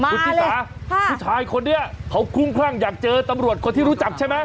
คุณชิสาผู้ชายคนนี้เขาคุ้มคลั่งอยากเจอตำรวจคนที่รู้จักใช่ไหม